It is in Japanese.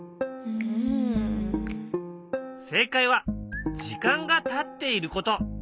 正解は時間がたっていること。